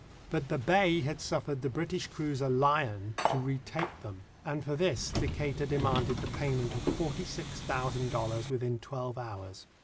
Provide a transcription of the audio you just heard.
But the Bey had suffered the British cruiser Lyon to retake them, and for this Decatur demanded the payment of forty six thousand dollars within twelve hours.